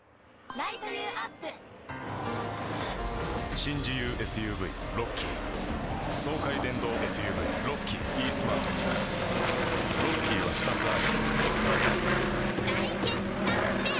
新自由ＳＵＶロッキー爽快電動ＳＵＶロッキーイースマートロッキーは２つあるダイハツ大決算フェア